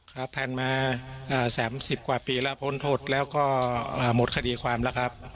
ครับผ่านมา๓๐กว่าปีแล้วพ้นโทษแล้วก็หมดคดีความแล้วครับ